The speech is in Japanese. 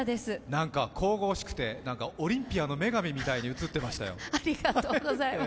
何か神々しくて、オリンピアの女神みたいに映ってましたよ。